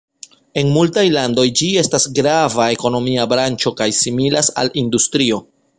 En multaj landoj ĝi estas grava ekonomia branĉo kaj similas al industrio.